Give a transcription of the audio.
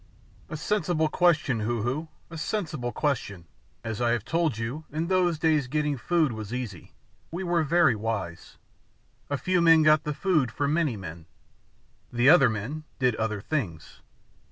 "A sensible question, Hoo Hoo, a sensible question. As I have told you, in those days food getting was easy. We were very wise. A few men got the food for many men. The other men did other things.